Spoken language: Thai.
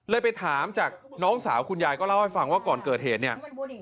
ไปถามจากน้องสาวคุณยายก็เล่าให้ฟังว่าก่อนเกิดเหตุเนี่ย